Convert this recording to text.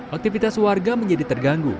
aktivitas warga menjadi terganggu